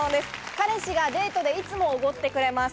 彼氏がデートでいつもおごってくれます。